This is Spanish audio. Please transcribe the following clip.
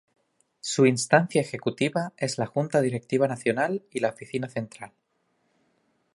Su instancia ejecutiva es la Junta Directiva Nacional y la Oficina Central.